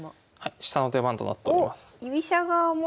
下の手番となっております。